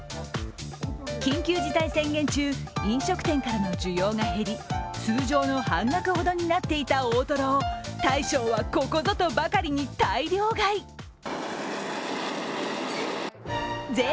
緊急事態宣言中、飲食店からの需要が減り、通常の半額ほどになっていた大トロを大将はここぞとばかりに大量買い。